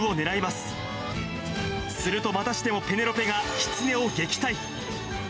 すると、またしてもペネロペがキツネを撃退。